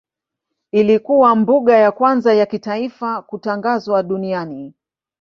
Ilikuwa mbuga ya kwanza wa kitaifa kutangazwa duniani.